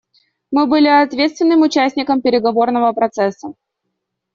Мы были ответственным участником переговорного процесса.